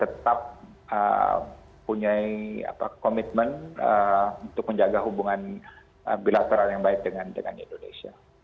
tetap punya komitmen untuk menjaga hubungan bilateral yang baik dengan indonesia